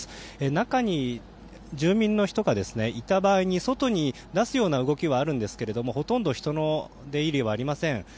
中に住民の人がいた場合に外に出すような動きはあるんですがほとんど人の出入りはありません。